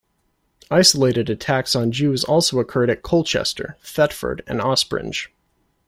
Isolated attacks on Jews also occurred at Colchester, Thetford, and Ospringe.